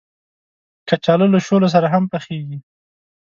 کچالو له شولو سره هم پخېږي